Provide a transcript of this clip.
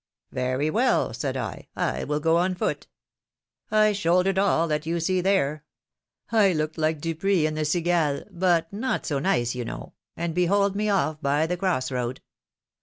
Very well/ said I, will go on foot.^ shouldered all that you see there; I looked like Dupuis in the Cigale, but not so nice, you know, and behold me off by the cross road.